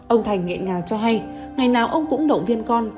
ông thành nghẹn ngào cho hay ngày nào ông cũng động viên con